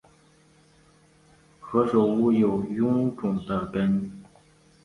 何首乌有臃肿的根